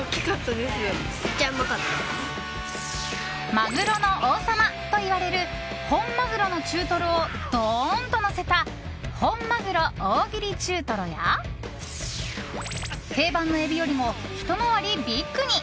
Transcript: マグロの王様といわれる本マグロの中トロをどーん！とのせた本鮪大切り中とろや定番のエビよりもひと回りビッグに！